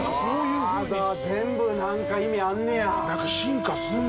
あ全部何か意味あんねや。